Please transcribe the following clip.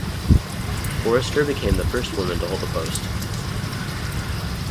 Forrester became the first woman to hold the post.